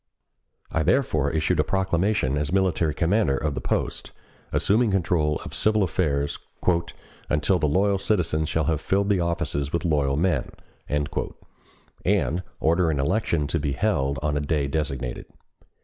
I therefore issued a proclamation as military commander of the post, assuming control of the civil affairs "until the loyal citizens shall have filled the offices with loyal men," and ordering an election to be held on a day designated.